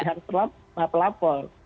dari pihak pelapor